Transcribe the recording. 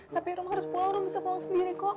tapi rum harus pulang rum bisa pulang sendiri kok